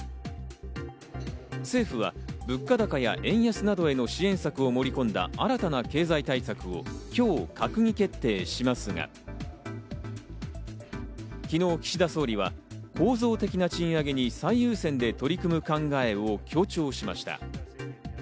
政府は物価高や円安などへの支援策を盛り込んだ新たな経済対策を今日、閣議決定しますが、昨日、岸田総理は構造的な賃上げに最優先で取り組む考えを強調しました。